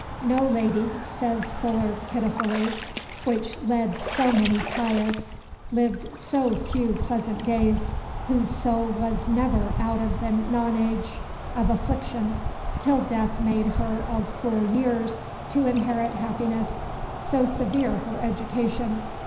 "No lady," says Fuller pitifully, "which led so many pious, lived so few pleasant days, whose soul was never out of the nonage of affliction till Death made her of full years to inherit happiness, so severe her education."